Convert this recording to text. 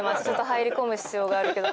入り込む必要があるけど。